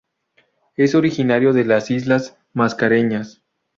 Es originario de las islas Mascareñas.